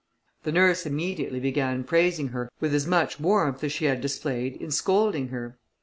The nurse immediately began praising her with as much warmth as she had displayed in scolding her.